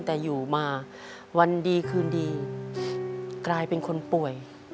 แต่อยู่มาวันดีคืนดีกลายเป็นคนป่วย